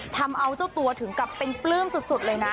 ทำเอาเจ้าตัวถึงกับเป็นปลื้มสุดเลยนะ